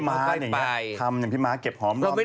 อย่างพี่ม้าเนี่ยทำอย่างพี่ม้าเก็บหอมรอมลิฟต์